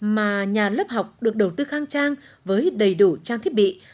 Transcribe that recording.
mà nhà lớp học được đầu tư khang trang với đầy đủ trang thiết bị